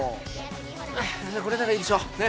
これならいいでしょ！ね。